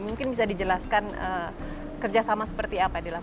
mungkin bisa dijelaskan kerjasama seperti apa yang dilakukan